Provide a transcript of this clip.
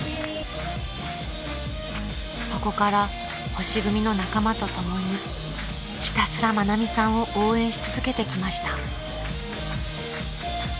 ［そこから星組の仲間と共にひたすら愛美さんを応援し続けてきました］